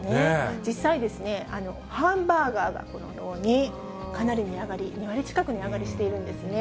実際ですね、ハンバーガーがこのようにかなり値上がり、２割近く値上がりしているんですね。